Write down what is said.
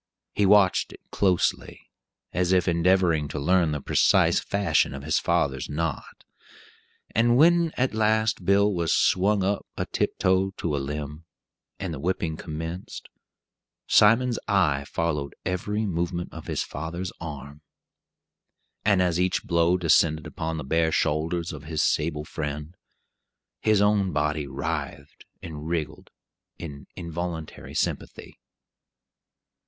He watched it closely, as if endeavoring to learn the precise fashion of his father's knot; and when at last Bill was swung up a tiptoe to a limb, and the whipping commenced, Simon's eye followed every movement of his father's arm; and as each blow descended upon the bare shoulders of his sable friend, his own body writhed and "wriggled" in involuntary sympathy.